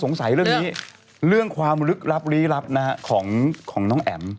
เรื่องนี้เรื่องความลึกลับลี้ลับนะฮะของน้องแอ๋ม